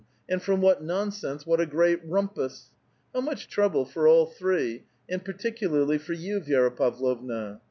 and from what nonsense what a great rumpus ! How much trouble for all three, and particularly for you, Vi^ra Pavlovna